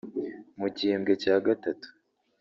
Mu gihembwe cya gatatu